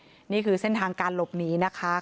คุณภรรยาเกี่ยวกับข้าวอ่ะคุณภรรยาเกี่ยวกับข้าวอ่ะ